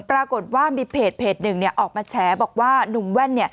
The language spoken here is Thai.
ปรากฏว่ามีเพจออกมาแชร์บอกว่าหนุ่มแว่น